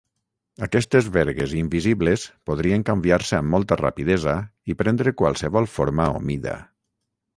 Aquestes vergues invisibles podrien canviar-se amb molta rapidesa i prendre qualsevol forma o mida.